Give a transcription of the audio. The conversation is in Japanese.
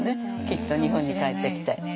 きっと日本に帰ってきて。